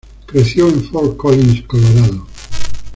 Creció en Fort Collins, Colorado.